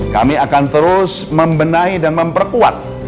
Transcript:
kami akan terus membenahi dan memperkuat